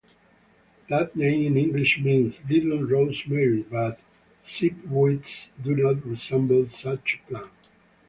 That name in English means "little rosemary", but seepweeds do not resemble such plant.